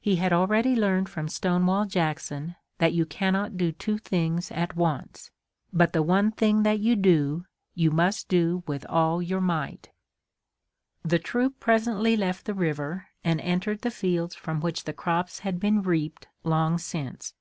He had already learned from Stonewall Jackson that you cannot do two things at once, but the one thing that you do you must do with all your might. The troop presently left the river and entered the fields from which the crops had been reaped long since.